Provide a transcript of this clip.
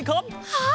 はい！